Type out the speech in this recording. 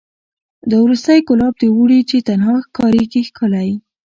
دا وروستی ګلاب د اوړي چي تنها ښکاریږي ښکلی